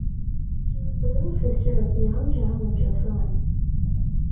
She was the little sister of Myeongjong of Joseon.